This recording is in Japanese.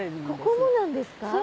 ここもなんですか？